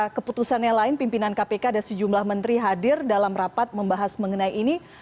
keputusan yang lain pimpinan kpk dan sejumlah menteri hadir dalam rapat membahas mengenai ini